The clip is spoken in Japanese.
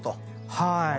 はい。